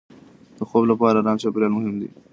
د خوب لپاره ارام چاپېریال مهم دی.